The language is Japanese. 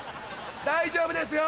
大丈夫ですよ。